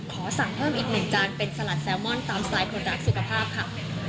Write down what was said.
ขอสั่งเพิ่มอีกหนึ่งจานเป็นสลัดแซลมอนตามสไตล์คนรักสุขภาพค่ะ